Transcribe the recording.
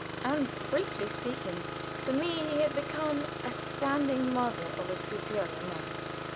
And, briefly speaking, to me he had become a standing model of a superior man.